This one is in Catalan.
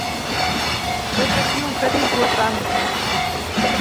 Vet aquí un fet important.